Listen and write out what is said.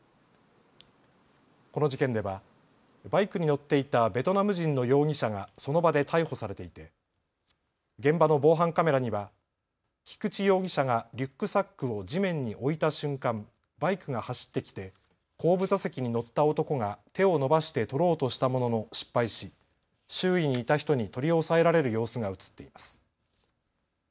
この事件ではバイクに乗っていたベトナム人の容疑者がその場で逮捕されていて現場の防犯カメラには菊地容疑者がリュックサックを地面に置いた瞬間、バイクが走ってきて後部座席に乗った男が手を伸ばして取ろうとしたものの失敗し周囲にいた人に取り押さえられる様子が写っています。